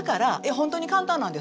本当に簡単なんですよ。